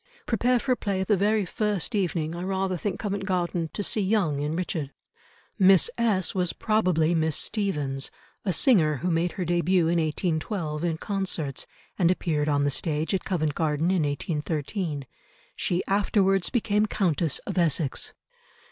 "Prepare for a play the very first evening, I rather think Covent Garden, to see Young in Richard." Miss S—— was probably Miss Stephens, a singer who made her debut in 1812 in concerts, and appeared on the stage at Covent Garden in 1813; she afterwards became Countess of Essex.